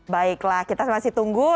baiklah kita masih tunggu